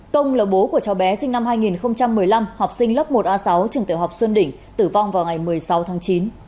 tông là bố của cháu bé sinh năm hai nghìn một mươi năm học sinh lớp một a sáu trường tiểu học xuân đỉnh tử vong vào ngày một mươi sáu tháng chín